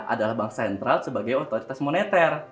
adalah bank sentral sebagai otoritas moneter